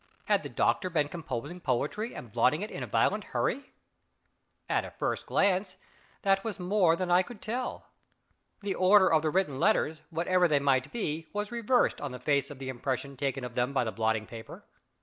Had the doctor been composing poetry and blotting it in a violent hurry? At a first glance, that was more than I could tell. The order of the written letters, whatever they might be, was reversed on the face of the impression taken of them by the blotting paper.